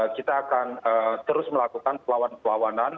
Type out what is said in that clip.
kita akan terus melakukan perlawanan perlawanan